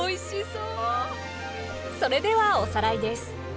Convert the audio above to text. それではおさらいです。